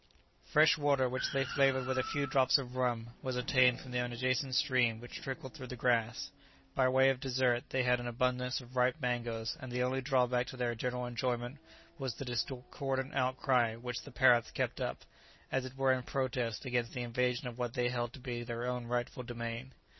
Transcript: Fresh water, which they flavoured with a few drops of rum, was obtained from an adjacent stream which trickled through the grass. By way of dessert they had an abundance of ripe mangoes, and the only drawback to their general enjoyment was the discordant outcry which the parrots kept up, as it were in protest against the invasion of what they held to be their own rightful domain.